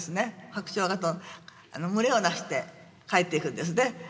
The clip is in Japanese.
白鳥が群れをなして帰っていくんですね。